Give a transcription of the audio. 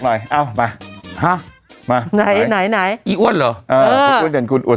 หน่อยเอ้ามาฮะมาไหนไหนไหนอีกอ้วนหรอเออคุณพึ่งที่เป็นกูนอวด